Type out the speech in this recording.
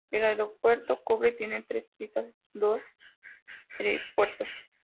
El aeropuerto cubre y tiene tres pistas y dos helipuertos.